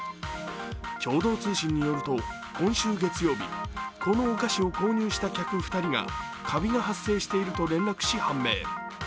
共同通信によると今週月曜日、このお菓子を購入した客２人がかびが発生していると連絡し判明。